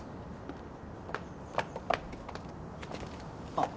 あっ